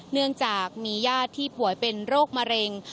เนื่องจากมีญาติที่ป่วยเป็นโรคมะเร็ง